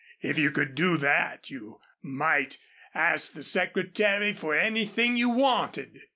If you could do that, you might ask the Secretary for anything you wanted."